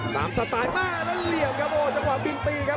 สไตล์แม่แล้วเหลี่ยมครับโอ้จังหวะบินตีครับ